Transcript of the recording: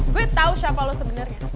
gue tau siapa lo sebenernya